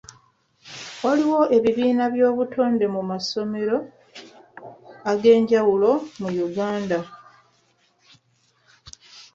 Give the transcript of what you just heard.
Waliwo ebibiina by'obutonde mu masomero ag'enjawulo mu Uganda.